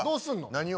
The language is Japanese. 何を？